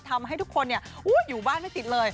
ทำให้ทุกคนอยู่บ้านไม่ติดเลย